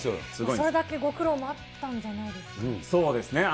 それだけご苦労もあったんじそうですね。